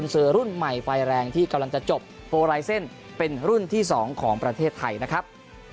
สวัสดีครับ